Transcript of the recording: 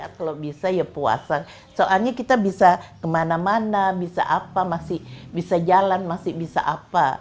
kalau bisa ya puasa soalnya kita bisa kemana mana bisa apa masih bisa jalan masih bisa apa